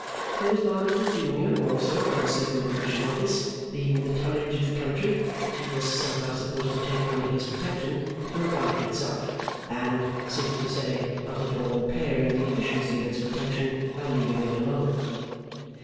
There was Barnacle junior, also from the Circumlocution Office, leaving the Tonnage of the country, which he was somehow supposed to take under his protection, to look after itself, and, sooth to say, not at all impairing the efficiency of its protection by leaving it alone.